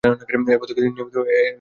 এরপর থেকে নিয়মিতভাবে খেলতে থাকেন।